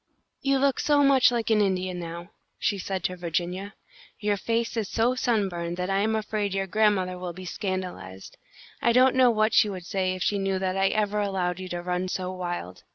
"You look so much like an Indian now," she said to Virginia. "Your face is so sunburned that I am afraid your grandmother will be scandalised. I don't know what she would say if she knew that I ever allowed you to run so wild.